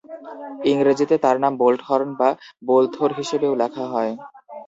ইংরেজিতে তার নাম বোল্টহর্ন বা বোলথোর হিসেবেও লেখা হয়।